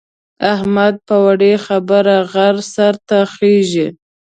احمد په وړې خبره غره سر ته خېژي.